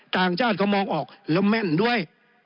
ต่างชาติเขามองออกแล้วแม่นด้วย